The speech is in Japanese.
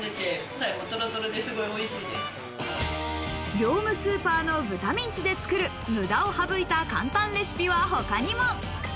業務スーパーの豚ミンチで作る、無駄を省いた簡単レシピは他にも。